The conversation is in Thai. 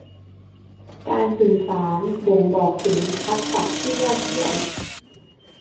การสื่อสารบ่งบอกถึงทักษะที่ยอดเยี่ยม